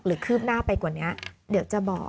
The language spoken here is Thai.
คืบหน้าไปกว่านี้เดี๋ยวจะบอก